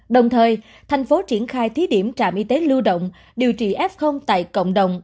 đồng thời thành phố triển khai thí điểm trạm y tế lưu động điều trị f tại cộng đồng